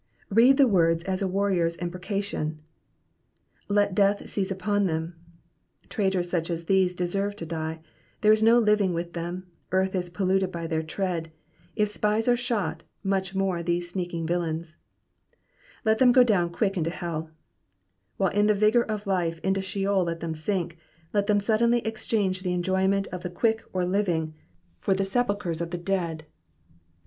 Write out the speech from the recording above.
Read the words as a warrior^s imprecation. ''''Let death seize Tpon them.''^ Traitors such as these deserve to die, there is no living with them, earth is polluted by their tread ; if spies are shot, much more these sneaking villains, ^^Let them go down quick into hdV While in the vigour of life into sheol let them sink, let them suddenly exchange the enjoy ment of the quick or living for the sepulchres of the dead.